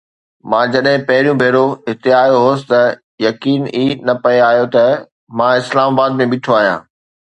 مان جڏهن پهريون ڀيرو هتي آيو هوس ته يقين ئي نه پئي آيو ته مان اسلام آباد ۾ بيٺو آهيان.